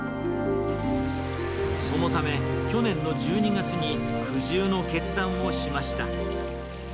そのため、去年の１２月に苦渋の決断をしました。